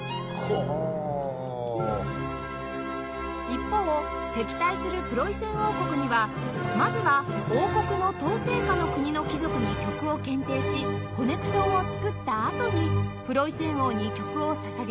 一方敵対するプロイセン王国にはまずは王国の統制下の国の貴族に曲を献呈しコネクションを作ったあとにプロイセン王に曲を捧げました